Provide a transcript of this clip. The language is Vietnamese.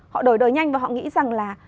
họ đổi đời nhanh và họ nghĩ rằng là